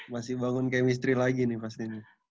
masih bangun chemistry lagi nih pastinya